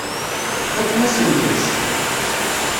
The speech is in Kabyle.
Tfakem-asent-tt.